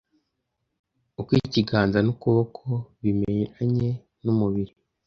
uko ikiganza n’ukuboko bimeranye n’umubiri